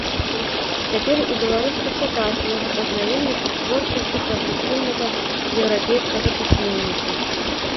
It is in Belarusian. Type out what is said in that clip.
Цяпер і беларускі чытач можа пазнаёміцца з творчасцю прагрэсіўнага еўрапейскага пісьменніка.